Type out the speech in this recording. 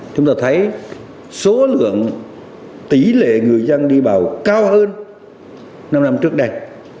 chúng ta thấy số lượng tỷ lệ người dân đi vào cao hơn năm năm trước đây